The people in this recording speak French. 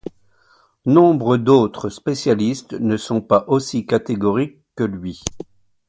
Nombre d'autres spécialistes ne sont pas aussi catégoriques que lui.